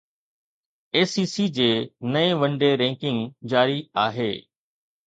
اي C C جي نئين one day ranking جاري آهي